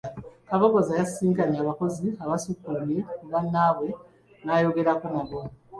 Kabogoza yasisinkanye abakozi abasukkulumye ku bannaabwe n'ayogerako nabo.